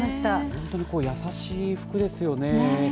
本当にやさしい服ですよね。